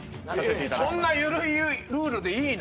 そんな緩いルールでいいの？